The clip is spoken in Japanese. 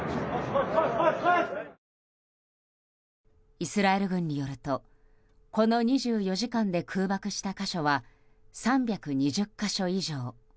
イスラエル軍によるとこの２４時間で空爆した箇所は３２０か所以上。